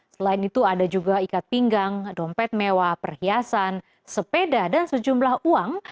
selain itu ada juga ikat pinggang dompet mewah perhiasan sepeda dan sejumlah uang